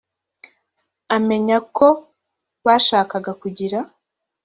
amenye a ko bashakaga kugira